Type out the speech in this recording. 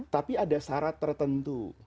tapi ada syarat tertentu